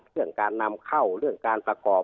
เรื่องการนำเข้าเรื่องการประกอบ